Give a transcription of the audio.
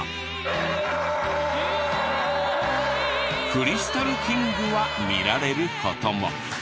クリスタルキングは見られる事も。